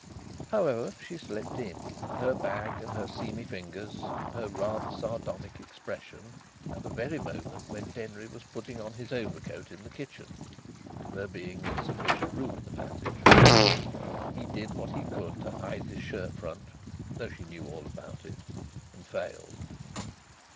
However, she slipped in, with her bag and her seamy fingers and her rather sardonic expression, at the very moment when Denry was putting on his overcoat in the kitchen (there being insufficient room in the passage). He did what he could to hide his shirt front (though she knew all about it), and failed.